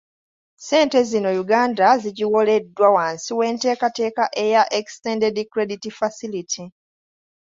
Ssente zino Uganda zigiwoleddwa wansi w'enteekateeka eya Extended Credit Facility.